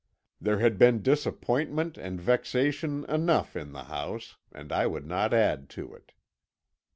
There had been disappointment and vexation enough in the house, and I would not add to it.